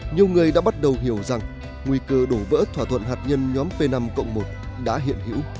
nhiều người đã bắt đầu hiểu rằng nguy cơ đổ vỡ thỏa thuận hạt nhân nhóm p năm một đã hiện hữu